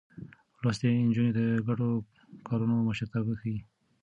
لوستې نجونې د ګډو کارونو مشرتابه ښيي.